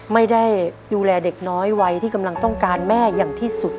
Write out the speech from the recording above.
ไม่ได้ดูแลเด็กน้อยวัยที่กำลังต้องการแม่อย่างที่สุด